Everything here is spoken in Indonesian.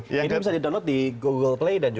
ini bisa di download di google play dan juga di app store